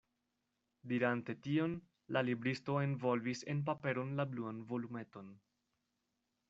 Dirante tion, la libristo envolvis en paperon la bluan volumeton.